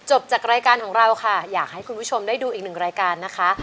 จากรายการของเราค่ะอยากให้คุณผู้ชมได้ดูอีกหนึ่งรายการนะคะ